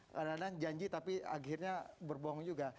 karena janji tapi akhirnya berbohong juga